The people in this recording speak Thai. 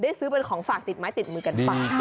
ซื้อเป็นของฝากติดไม้ติดมือกันไป